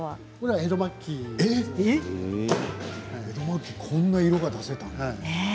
江戸末期にこんな色が出せたんだ。